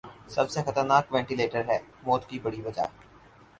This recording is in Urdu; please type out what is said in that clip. سب سے خطرناک ونٹیلیٹر ہے موت کی بڑی وجہ ۔